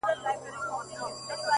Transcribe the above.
چي بیا به څه ډول حالت وي; د ملنگ;